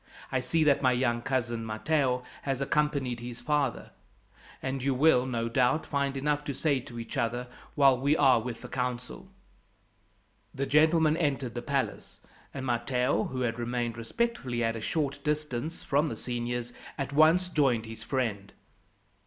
"I see that my young cousin, Matteo, has accompanied his father, and you will, no doubt, find enough to say to each other while we are with the council." The gentlemen entered the palace, and Matteo, who had remained respectfully at a short distance from the seniors, at once joined his friend.